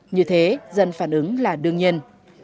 như thế dân phản ứng là đương nhiên